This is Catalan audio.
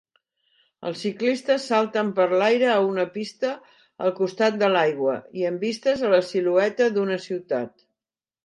Els ciclistes salten per l'aire a una pista al costat de l'aigua i amb vistes a la silueta d'una ciutat